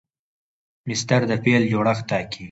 مصدر د فعل جوړښت ټاکي.